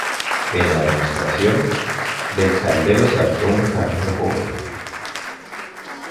En la demostración, del caldero saltó un carnero joven.